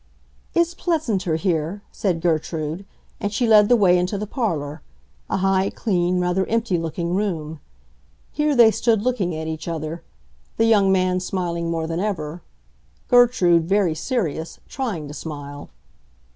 "It's pleasanter here," said Gertrude, and she led the way into the parlor,—a high, clean, rather empty looking room. Here they stood looking at each other,—the young man smiling more than ever; Gertrude, very serious, trying to smile.